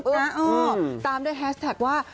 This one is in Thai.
อึ๊บนะตามด้วยแฮสแท็กว่า